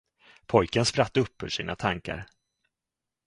Pojken spratt upp ur sina tankar.